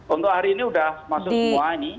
untuk hari ini sudah masuk semua ini